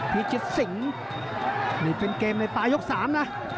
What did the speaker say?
ภิชิษฏสิงภ์นี่เป็นเกมในป่ายกสามน่ะ